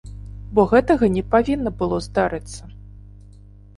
Бо гэтага не павінна было здарыцца.